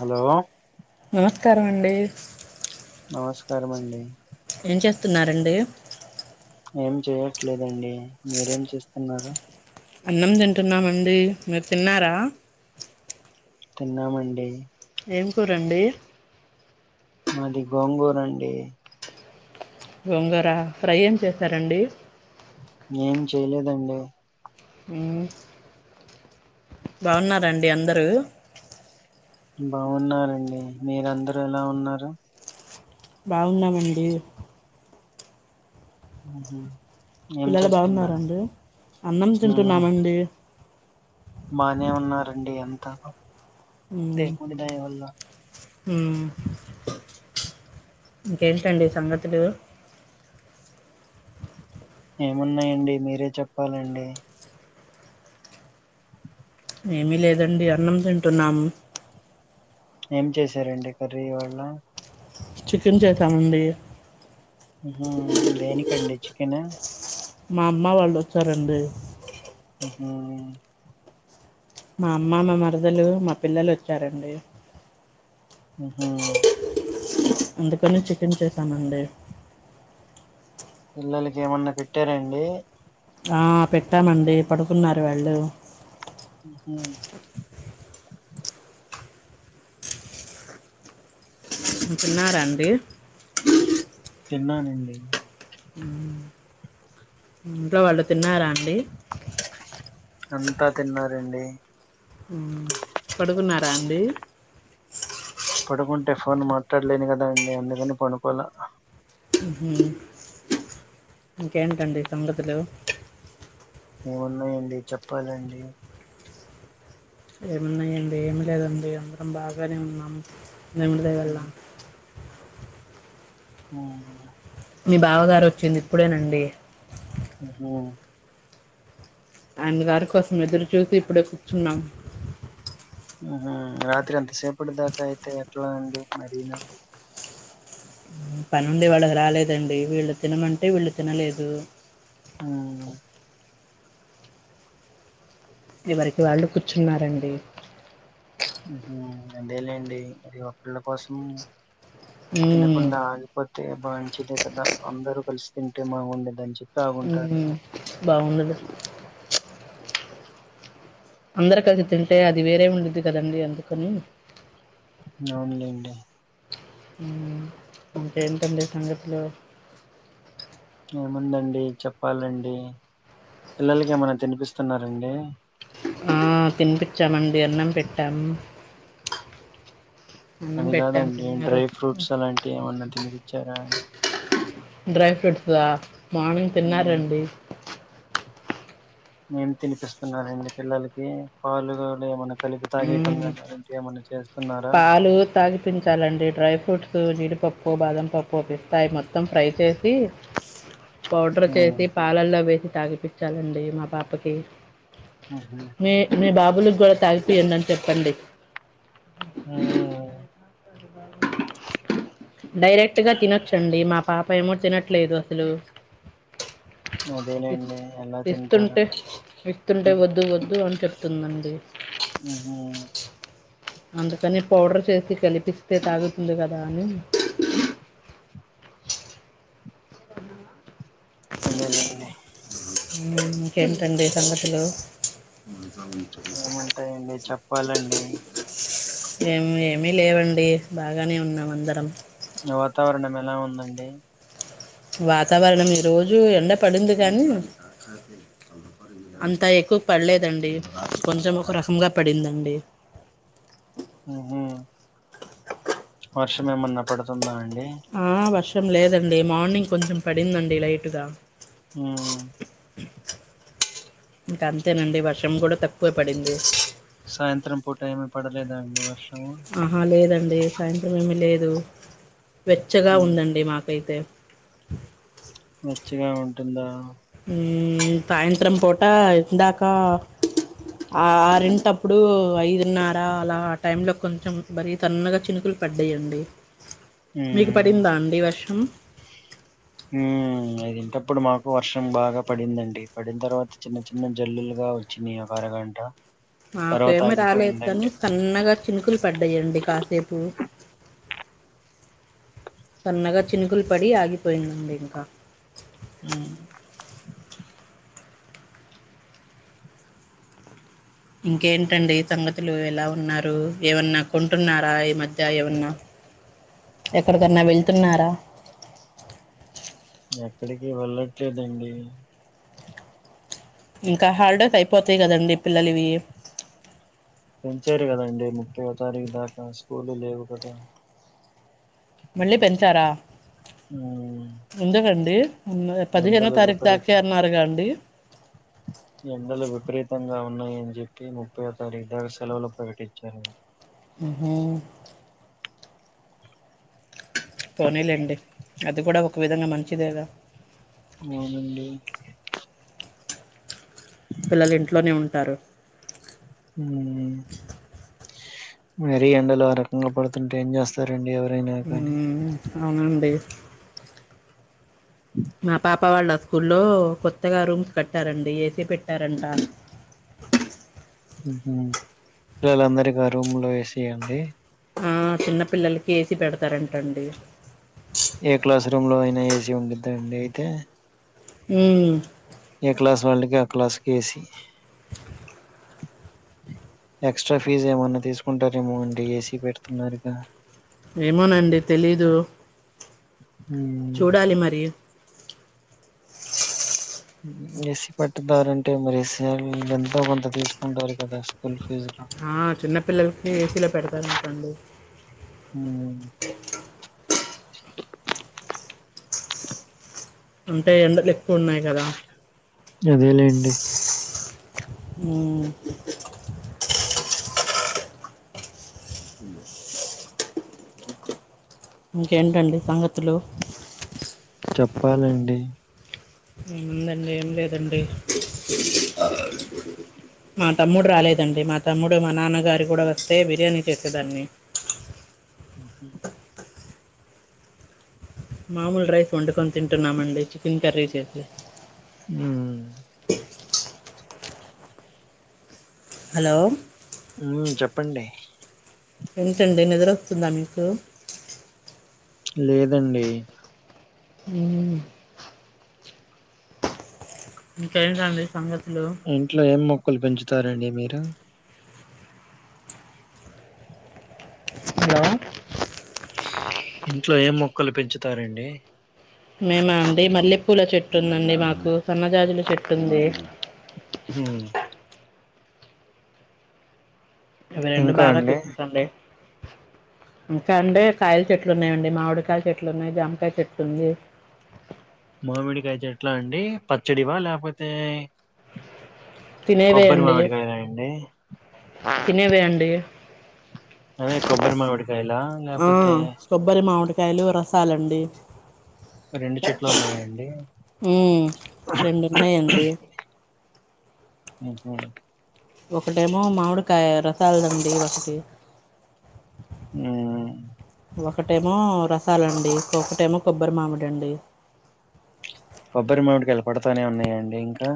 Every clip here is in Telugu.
హలో నమస్కారం అండి నమస్కారం అండి ఏం చేస్తున్నారండి ఏం చేయట్లేదండి మీరేం చేస్తున్నారు అన్నం తింటున్నామండి మీరు తిన్నారా తిన్నామండి ఏం కూరండి మాది గోంగూరండి గోంగూరా ఫ్రై ఏం చేశారండీ. ఏం చేయలేదండి. మ్మ్ బావున్నారాండి అందరూ. బావున్నారండి, మీరందరూ ఎలా ఉన్నారు. బావున్నామండి. మ్ హు పిల్లలు బావున్నారాండి, అన్నం ఊహు. తింటున్నామండీ. బానే ఉన్నారండీ అంతా. మ్ దేవుడి దయ వల్ల మ్మ్ ఇంకేంటండి సంగతులూ. ఏమున్నాయండి, మీరే చెప్పాలండి. ఏమీ లేదండి, అన్నం తింటున్నాము. ఏం చేసారండి కర్రీ ఇవాళ. చికెన్ చేసామండి మ్మ్ హు దేనికండి చికెన్. మా అమ్మ వాళ్ళు వచ్చారండి. మ్ హు మా అమ్మ, మా మరదలూ, మా పిల్లలొచ్చారండి. మ్ హు అందుకనే చికెన్ చేశామండి. పిల్లలకి ఏమన్నా పెట్టారాండీ ఆ పెట్టామండీ, పడుకున్నారు వాళ్ళు. ఉమ్ తిన్నారాండీ తిన్నానండి ఇంట్లో వాళ్ళు తిన్నారాండీ అంతా తిన్నారండి మ్ పడుకున్నారా అండి పడుకుంటే ఫోన్ మాట్టాడలేను కదాండి అందుకని పడుకోలా ఉహు ఇంకేంటండి సంగతులు ఏమున్నాయండి చెప్పాలండీ ఏమున్నాయండి ఏమి లేదండి అందరం బాగానే ఉన్నాము దేవుడి దయ వల్ల ఆ మీ బావగారొచ్చింది ఇప్పుడేనండీ ఉహు ఆయనగారి కోసం ఎదురు చూసి ఇప్పుడే కూర్చున్నాం ఉహూ రాత్రి అంతసేపటి దాకా అయితే ఎట్లా అండి మరీను పనుండి ఇవాళ రాలేదండీ, వీళ్ళు తినమంటే వీళ్ళు తినలేదు ఆ ఎవరికి వాళ్ళు కుచ్ఛున్నారండీ ఉహూ అదేలేండీ మరి ఒకళ్ళ కోసం ఉమ్, తినకుండా ఆగిపోతే మంచిదే కదా అందరూ కలిసి తింటే బావుండేదని చెప్పి ఆగుంటారు మ్ బావుండేది అందరు కలిసి తింటే అది వేరే ఉండిద్ది కదండీ అందుకనీ మ్ అవున్లేండి మ్మ్ ఇంకేంటండి సంగతులు ఏముందండీ చెప్పాలండీ పిల్లలకి ఏమన్న తినిపిస్తున్నారండి ఆ తినిపించామండి అన్నం పెట్టాము అవి కాదండి తిన్నారు డ్రై ఫ్రూట్స్ అలాంటివి ఏమన్నా తినిపించారా డ్రై ఫ్రూట్స్ దా మార్నింగ్ తిన్నారండి ఏం తినిపిస్తున్నారండి పిల్లలకి పాలు గాని ఏమైనా తాగియ్యటం మ్మ్ కానీ ఇంకేమన్నా చేస్తున్నారా పాలు తాగిపించాలండి డ్రై ఫ్రూట్స్ జీడిపప్పు పప్పు బాదం పప్పు పిస్తా అయ్యి మొత్తం ఫ్రై చేసి పౌడర్ ఉమ్, చేసి పాలల్లో వేసి తాగిపించాలండి మా పాపకి ఉహు, మీ మీ బాబులకు కూడా తాగిపియ్యండని చెప్పండి అ డైరెక్ట్ గా తినొచ్చండి మా పాప ఏమో తినట్లేదు అసలు ఇ అదేలేండి ఎలా తింటారు ఇస్తుంటే వి ఇస్తుంటే వద్దు వద్దు అని చెప్తుందండి ఉహు, అందుకని పౌడర్ చేసి కలిపిస్తే తాగుతుంది కదా అని అంతేలేండి ఇంకేటండి సంగతులు ఏముంటాయండి చెప్పాలండి ఏమి ఏమి లేవండి బాగానే ఉన్నాం అందరం వాతావరణం ఎలా ఉందండి వాతావరణం ఈ రోజు ఎండ పడింది కానీ అంతా ఎక్కువ పడలేదండి కొంచెం ఒక రకంగా పడిందండి ఉహూ వర్షం ఏమన్న పడుతుందా అండి ఆ వర్షం లేదండి మార్నింగ్ కొంచెం పడిందండి లైటుగా ఉమ్ ఇంక అంతేనండి వర్షం కూడా తక్కువే పడింది సాయంత్రం పూట ఏమి పడలేదా అండి వర్షం ఆహా లేదండి సాయంత్రం ఏమి లేదు వెచ్చగా ఉమ్, ఉందండి మాకైతే వెచ్చగా ఉంటుందా ఉమ్ సాయంత్రం పూట ఇందాక ఆ ఆరింటప్పుడు ఐదున్నర అలా ఆ టైంలో కొంచెం మరీ తన్నగా చినుకులు పడ్డాయండి మీకు ఉమ్. పడిందా అండి వర్షం ఉమ్ ఐదింటప్పుడు మాకు వర్షం బాగా పడిందండి పడిన తర్వాత చిన్న చిన్న జల్లులుగా బాగా వచ్చినయి ఒక అరగంట మాకు తర్వాత ఏమి రాలేదు కానీ ఆగిపోయిందండి. సన్నగా చినుకులు పడ్డాయండి కాసేపు సన్నగా చినుకులు పడి ఆగిపోయిందండి ఇంకా ఉమ్ ఇంకేంటండి సంగతులు ఎలా ఉన్నారు ఏమన్నా కొంటున్నారా ఈ మధ్య ఏమన్నా ఎక్కడికన్నా వెళ్తున్నారా ఎక్కడికి వెళ్ళట్లేదండి ఇంకా హాలిడేస్ అయిపోతాయి కదండి పిల్లలవి పెంచారు కదండి ముప్పై ఓ తారీఖు దాకా స్కూలు లేవు కదా మళ్ళీ పెంచారా హ్మ్ ఎందుకండి పదిహేనో ఎండలు తారీఖు విపరీత దాకే అన్నారుగా అండి ఎండలు విపరీతంగా ఉ న్నాయి అని చెప్పి ముప్పై ఓ తారీకి దాక సెలవులు ప్రకటించారు ఉహుం పోనీలేండి అది కూడా ఒక విధంగా మంచిదేగా అవునండి పిల్లలు ఇంట్లోనే ఉంటారు ఉమ్ మరీ ఎండలు ఆ రకంగా పడుతుంటే ఏం చేస్తారండి ఎవరు ఉమ్ అవునండి అప్ప వాళ్ళ స్కూల్లో కొత్తగా రూమ్స్ కట్టారండి ఏసీ పెట్టారంట ఉహూ పిల్లలందరికి ఆ రూమ్ లో ఏసీ అండి ఆ చిన్న పిల్లలకి ఏసీ పెడతారంట అండి ఏ క్లాస్ రూమ్ లో అయినా ఏసీ ఉండిద్దా అండి అయితే ఉమ్ ఏ క్లాస్ వాళ్ళకి ఆ క్లాసు కి ఏసీ ఎక్స్ట్రా ఫీజ్ ఏమన్నా తీసుకుంటారేమో అండి ఏసీ పెడుతున్నారుగా ఏమోనండి తెలీదు ఉమ్. చూడాలి మరి ఏసీ పెట్టుతారంటే మరి [unintelligible] ఎంత కొంత తీసుకుంటారు కదా అల్ ఆ చిన్నపిల్లలకి ఏసీలో పెడతారంట అండి అ అంటే ఎండలే అదే లేండి ఉమ్ ఇంకేంటండి సంగతులు చెప్పండి ఉందండి ఏం లేదండి మా తమ్ముడు రాలేదండి మా తమ్ముడు మా నాన్నగారు కూడా వస్తే బిర్యానీ చేసేదాన్ని ఉహు మామూలు రైస్ వండుకొని తింటున్నామండి చికెన్ కర్రీ చేసి ఊ హలో ఊ చెప్పండి ఏంటండి నిద్రొస్తుందా మీకు లేదండి ఊ ఇంకేంటండి సంగతులు కులు పెంచుతారండి మీరు హలో ఇంట్లో ఏం మొక్కలు పెంచుతారండి మేమా అండి మల్లెపూల చెట్టు ఉందండి మాకు సన్నజాజుల చెట్టు ఉంది అందంగా ఇవి రెండు ఇంకా బాగ అండి తీర్పుతుండే ఇంకా అండి కాయల చెట్లు ఉన్నాయండి మామిడికాయల చెట్లు ఉన్నాయి జామకాయ చెట్లు ఉంది మామిడికాయ చెట్లా అండి పచ్చడివా లేకపోతే తినేవే కొబ్బరి అండి మామిడి కాయలా అండి తినేవే అండీ అదే కొబ్బరి మామిడికాయలా లేకపోతే కాయలు రసాలండి రెండు చెట్లు ఉన్నాయా అండి ఊ రెండున్నాయండి అహ ఒకటేమో మామిడికాయ రసాలదుంది ఒకటి ఆమ్ ఒకటేమో రసాలండి ఇంకొక్కటేమో కొబ్బరి మామిడండి కొబ్బరి మామిడి కాయలు పడతానే ఉన్నాయండి ఇంకా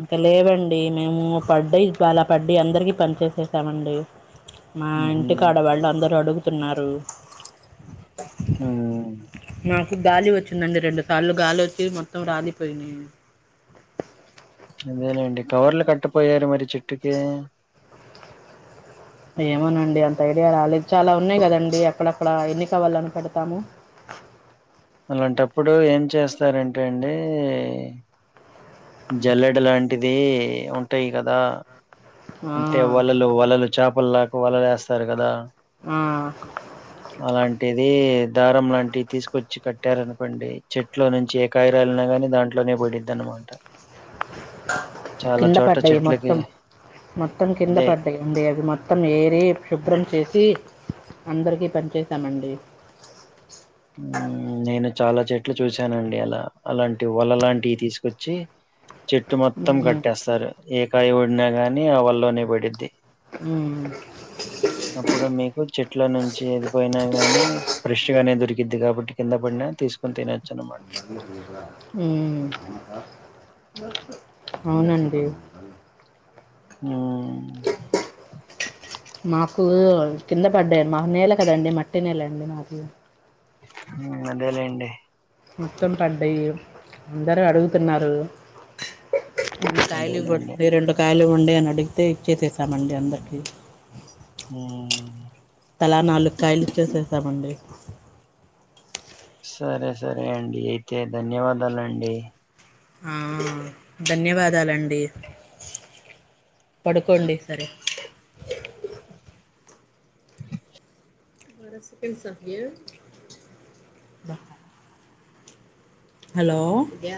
ఇంకా లేవండి మేము పడ్డయ్ చాలా పడ్డయ్ అందరికి పంచేేసేసామండి మా ఉహు ఇంటికాడ వాళ్ళు అందరు అడుగుతున్నారు ఊ నాకు గాలి వచ్చిందండి రెండు సార్లు గాలి వచ్చి మొత్తం రాలిపోయినాయి ఇంతేలెండి కవర్లు కట్టపోయారు మరి చెట్టుకి ఏమోనండి అంత ఐడియా రాలేదు చాలా ఉన్నాయి కదండి అక్కడక్కడ ఎన్ని కవర్లని పెడతాము అలాంటప్పుడు ఏం చేస్తారంటే అండి జల్లెడ లాంటిది ఉంటాయి కదా ఆ అంటే వలలు వలలు చేపలులాకు వలలేస్తారు కదా ఆ ఇది దారం లాంటివి తీసుకొచ్చి కట్టారనుకోండి చెట్లో నుంచి ఎక్ కాయరాలిన గానీ దాంట్లోనే పడిద్దన్నమాట చాలా కింద చోట పడ్డాయి చెట్లకి మొత్తం మొత్తం కింద అదే పడ్డాయండి అవి మొత్తం ఏరి శుభ్రం చేసి అందరికీ పంచేసామండి ఆ నేను చాలా చెట్లు చూశానండి అలా అలాంటి వల లాంటివి తీసుకొచ్చి చెట్టు మొత్తం మ్మ్. కట్టేస్తారు ఏకాయ వడినా గాని ఆవల్లోనే పడిద్ది ఉ అప్పుడు మీకు చెట్ల నుంచి ఎదిపోయినా గానీ ఫ్రెష్ గానే దొరికి ద్ది కాబట్టి కింద పడినా తీసుకని తచ్చ హుమ్ అవునండి ఆ స్కూల్ కింద పడ్డాారు మా నేల కదండి మట్టి నేల అండి నాకు అదేలేండి మత్తం పడ్డాయి అందరుూ అడుగుతున్నారు రెండు కాయలు అదేలేండి. ఇవ్వండి రెండు కాయలు ఇవ్వండి అని అడిగితే ఇచ్చేససామండి అందరికీ ఆ తలా నాలు కాయలుచ్చసేసామండి సరే సరే అండి అయితే ధన్యవాదాలండి ఆ ధన్యవాదాలండి పడుకండి సరే బారా సెకండ్ సే బా హలో